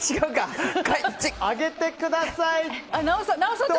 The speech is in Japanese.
上げてください、どうぞ！